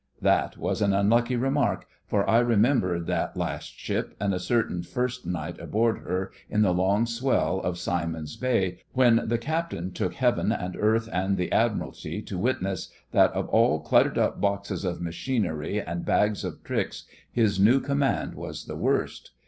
That was an unlucky remark, for I remembered that last ship and a certain first night aboard her in the long swell of Simon's Bay, when the Captain took Heaven and Earth and the Admiralty to witness that of all cluttered up boxes of machinery and bags of tricks his new command was the worst.